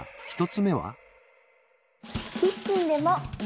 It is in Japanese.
１つ目は？